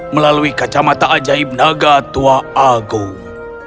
melalui kacamata ajaib naga tua agung